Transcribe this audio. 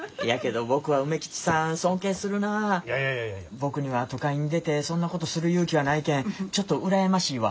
僕には都会に出てそんなことする勇気はないけんちょっと羨ましいわ。